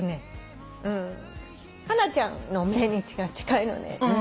ハナちゃんの命日が近いのね。